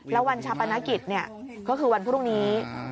แล้ววันชาปนกิจก็คือวันพรุ่งนี้